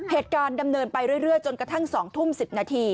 เหตุการณ์ดำเนินไปเรื่อยจนกระทั่ง๒ทุ่ม๑๐นาที